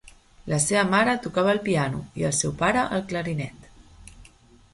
La seva mare tocava el piano, i el seu pare, el clarinet.